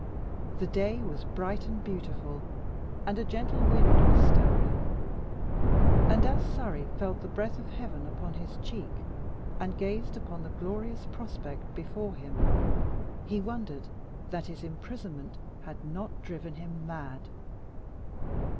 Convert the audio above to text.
The day was bright and beautiful, and a gentle wind was stirring; and as Surrey felt the breath of heaven upon his cheek, and gazed upon the glorious. prospect before him, he wondered that his imprisonment had not driven him mad.